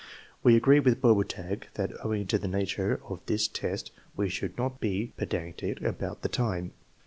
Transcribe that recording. We agree with Boberta^ that owing to the nature of this test wo should not be pedantic about the time.